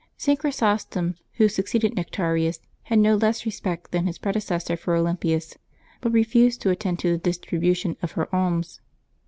St. Chrysostom, who succeeded N'ectarius, had no less respect than his prede cessor for Olympias, but refused to attend to the distribu tion of her alms.